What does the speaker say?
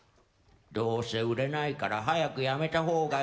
「どうせ売れないから早くやめた方がいいよ」。